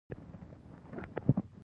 چې د کوم ځای نه کومه پروژه تر لاسه کړي